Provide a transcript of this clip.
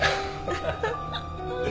アハハハ。